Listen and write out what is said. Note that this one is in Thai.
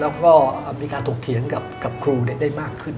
แล้วก็มีการถกเถียงกับครูได้มากขึ้น